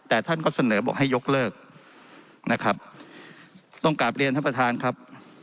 แต่ท่านก็เสนอบอกให้ยกเลิกนะครับต้องกลับเรียนท่านประธานครับ